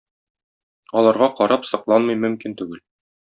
Аларга карап сокланмый мөмкин түгел.